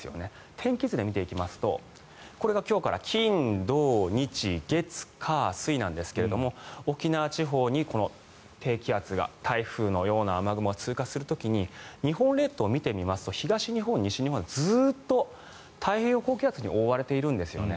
天気図で見ていきますとこれが今日から金土日月火水なんですが沖縄地方に低気圧が台風のような雨雲が通過する時に日本列島を見てみますと東日本、西日本はずっと太平洋高気圧に覆われているんですよね。